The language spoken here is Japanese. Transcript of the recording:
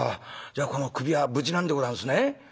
じゃあこの首は無事なんでございますね？」。